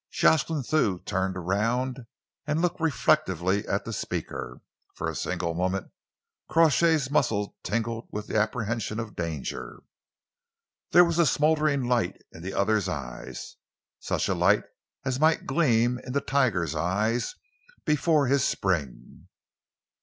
Jocelyn Thew turned around and looked reflectively at the speaker. For a single moment Crawshay's muscles tingled with the apprehension of danger. There was a smouldering light in the other's eyes, such a light as might gleam in the tiger's eyes before his spring.